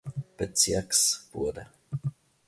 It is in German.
Bezirks wurde.